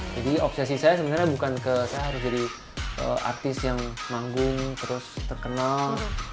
jadi obsesi saya sebenarnya bukan ke saya harus jadi artis yang manggung terus terkenal